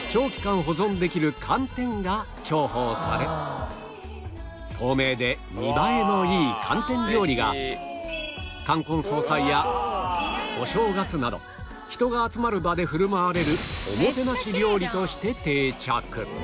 秋田県では透明で見栄えのいい寒天料理が冠婚葬祭やお正月など人が集まる場で振る舞われるおもてなし料理として定着